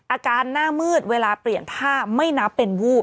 อาการหน้ามืดเวลาเปลี่ยนท่าไม่นับเป็นวูบ